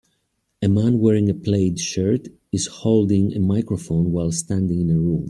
A man wearing a plaid shirt is holding a microphone while standing in a room.